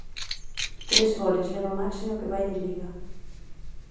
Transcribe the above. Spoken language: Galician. Tres goles leva Maxi no que vai de Liga.